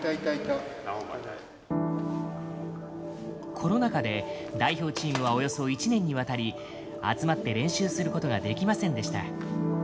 コロナ禍で代表チームはおよそ１年にわたり集まって練習することができませんでした。